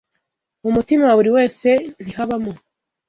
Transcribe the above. Mu mutima wa buri wese ntihabamo